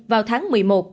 vào tháng một mươi một